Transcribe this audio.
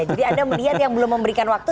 anda melihat yang belum memberikan waktu